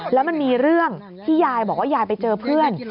แล้วมันมีเรื่องที่ยายบอกว่ายายไปเจอเพื่อน